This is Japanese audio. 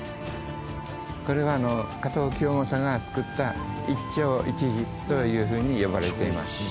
これは加藤清正がつくった一町一寺というふうに呼ばれています。